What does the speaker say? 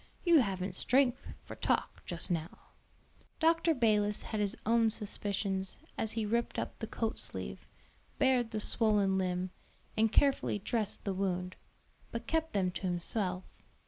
You haven't strength for talk just now." Dr. Balis had his own suspicions as he ripped up the coat sleeve, bared the swollen limb, and carefully dressed the wound; but kept them to himself.